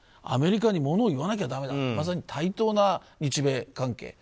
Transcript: アメリカにものを言わなきゃだめだとまさに対等な日米関係。